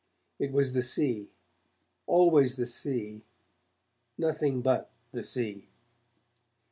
It was the Sea, always the sea, nothing but the sea.